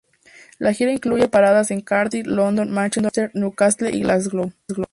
La gira incluyó paradas en Cardiff, London, Manchester, Newcastle y Glasgow.